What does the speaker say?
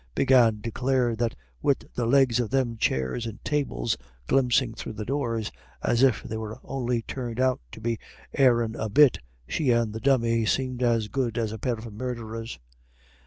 Big Anne declared that wid the legs of them chairs and tables glimpsing through the door, as if they were on'y turned out to be airin' a bit, she and the Dummy seemed as good as a pair of murderers.